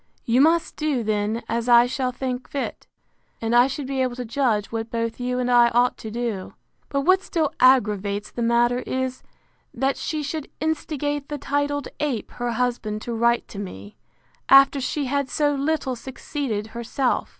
You must do then as I shall think fit: And I shall be able to judge what both you and I ought to do. But what still aggravates the matter is, that she should instigate the titled ape her husband to write to me, after she had so little succeeded herself.